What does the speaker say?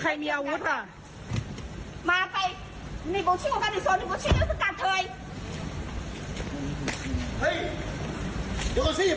ตั้งตัวสวนตัวสวนตัว